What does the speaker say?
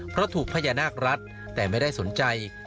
เพราะถูกพญานาครัฐแต่ไม่ได้สนใจ